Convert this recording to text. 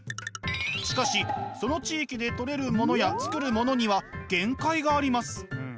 しかしその地域で取れるものや作るものには限界があります。